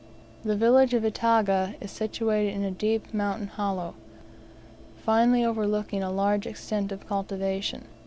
The village of Itaga is situated in a deep mountain hollow, finely overlooking a large extent of cultivation.